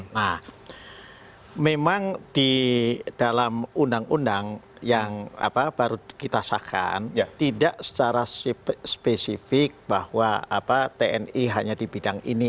nah memang di dalam undang undang yang baru kita sahkan tidak secara spesifik bahwa tni hanya di bidang ini